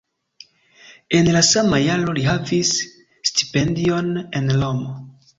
En la sama jaro li havis stipendion en Romo.